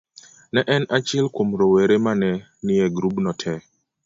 Ne en achiel kuom rowere ma ne nie grubno te.